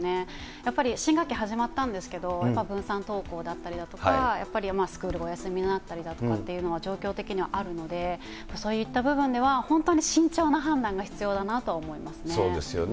やっぱり新学期始まったんですけど、分散登校だったりだとか、やっぱりスクールがお休みになったりだとか、状況的にはあるので、そういった部分では、本当に慎重な判断が必要だなと思いますね。